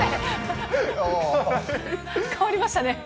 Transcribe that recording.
変わりましたね。